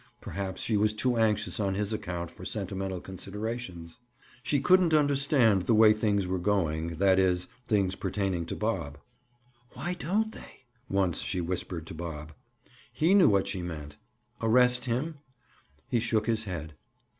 Perhaps she was too anxious on his account for sentimental considerations. She couldn't understand the way things were going—that is, things pertaining to Bob. "Why don't they?" once she whispered to Bob. He knew what she meant—arrest him? He shook his head.